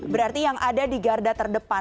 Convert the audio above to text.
berarti yang ada di garda terdepan